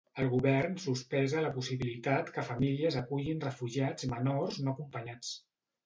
El Govern sospesa la possibilitat que famílies acullin refugiats menors no acompanyats.